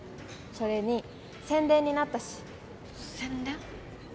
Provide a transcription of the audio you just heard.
それに宣伝になったし宣伝？